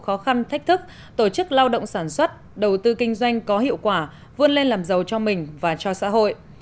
khó khăn thách thức tổ chức lao động sản xuất đầu tư kinh doanh có hiệu quả vươn lên làm giàu cho mình và cho xã hội